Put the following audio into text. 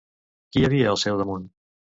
Qui hi havia al seu damunt?